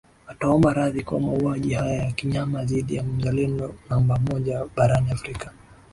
ataomba radhi kwa mauaji haya ya kinyama dhidi ya Mzalendo namba moja barani Afrika